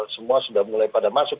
semua sudah mulai pada masuk